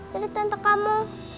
dari tante kamu